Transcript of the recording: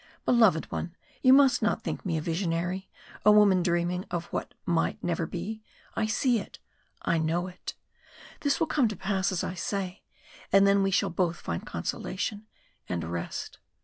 Beloved one, you must not think me a visionary a woman dreaming of what might never be I see it I know it. This will come to pass as I say, and then we shall both find consolation and rest."